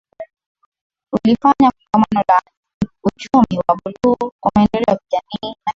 Kulifanyika Kongamano la Uchumi wa Buluu kwa Maendeleo ya Kijamii na Kiuchumi